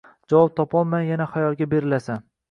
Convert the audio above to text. Javob topolmay yana xayolga berilasan